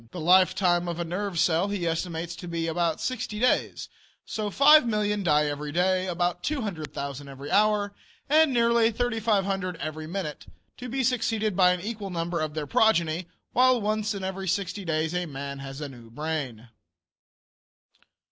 The lifetime of a nerve cell he estimates to be about sixty days, so that 5,000,000 die every day, about 200,000 every hour, and nearly 3,500 every minute, to be succeeded by an equal number of their progeny; while once in every sixty days a man has a new brain.